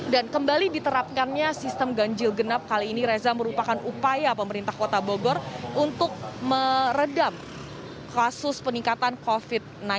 dan kembali diterapkannya sistem ganjil genap kali ini reza merupakan upaya pemerintah kota bogor untuk meredam kasus peningkatan covid sembilan belas